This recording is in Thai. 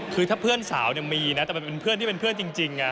คือถ้าเพื่อนสาวมีนะแต่มันเป็นเพื่อนที่เป็นเพื่อนจริง